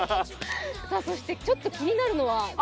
そして、ちょっと気になるのは。